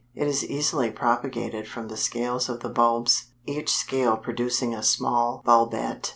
It is easily propagated from the scales of the bulbs, each scale producing a small bulbet.